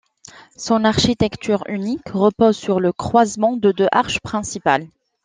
Son architecture unique repose sur le croisement de deux arches principales.